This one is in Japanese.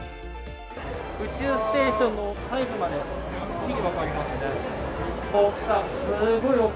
宇宙ステーションの細部まではっきり分かりますね。